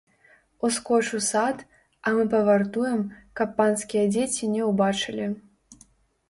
Ускоч у сад, а мы павартуем, каб панскія дзеці не ўбачылі.